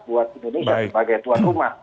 buat indonesia sebagai tuan rumah